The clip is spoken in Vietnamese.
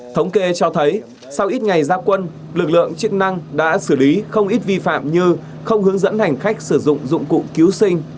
thống kê cho thấy sau ít ngày gia quân lực lượng chức năng đã xử lý không ít vi phạm như không hướng dẫn hành khách sử dụng dụng cụ cứu sinh